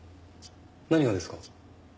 何がですか？